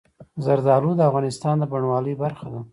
زردالو د افغانستان د بڼوالۍ برخه ده.